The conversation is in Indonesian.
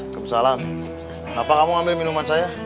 kebesaran kenapa kamu ambil minuman saya